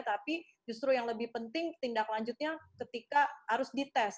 tapi justru yang lebih penting tindak lanjutnya ketika harus dites